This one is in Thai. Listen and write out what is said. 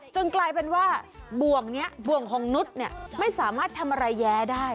จนกลายเป็นว่าบวงของนุษณ์น่ะไม่สามารถทำอะไรแย้งได้